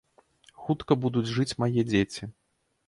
Хутка будуць жыць мае дзеці.